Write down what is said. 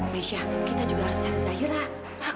mesya kita juga harus cari zahira